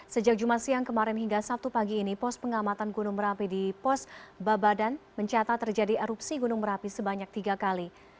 sejak jumat siang kemarin hingga sabtu pagi ini pos pengamatan gunung merapi di pos babadan mencatat terjadi erupsi gunung merapi sebanyak tiga kali